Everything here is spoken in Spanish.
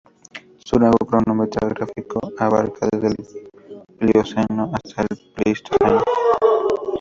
Su rango cronoestratigráfico abarcaba desde el Plioceno hasta el Pleistoceno.